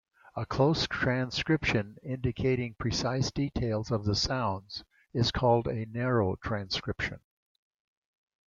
A close transcription, indicating precise details of the sounds, is called a "narrow transcription".